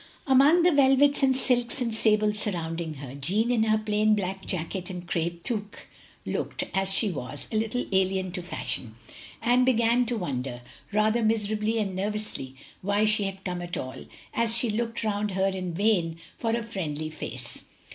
Among the velvets and silks and sables sur rotmding her, Jeanne in her plain black jacket and crape toque looked, as she was, a little alien to fashion ; and began to wonder, rather miserably and nervously, why she had come at all, as she looked rotmd her in vain for a friendly face.